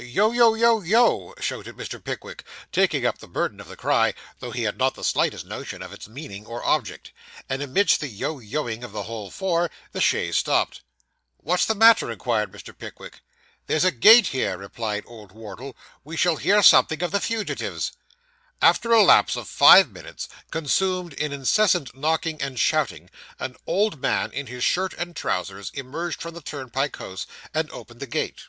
'Yo yo yo yoe!' shouted Mr. Pickwick, taking up the burden of the cry, though he had not the slightest notion of its meaning or object. And amidst the yo yoing of the whole four, the chaise stopped. 'What's the matter?' inquired Mr. Pickwick. 'There's a gate here,' replied old Wardle. 'We shall hear something of the fugitives.' After a lapse of five minutes, consumed in incessant knocking and shouting, an old man in his shirt and trousers emerged from the turnpike house, and opened the gate.